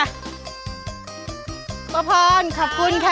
ได้แล้วนะขอบคุณค่ะ